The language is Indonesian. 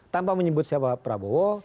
tanpa menyebut siapa prabowo